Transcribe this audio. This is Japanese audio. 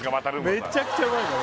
めちゃくちゃうまいんだね